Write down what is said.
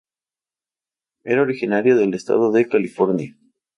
Era originario del estado de California.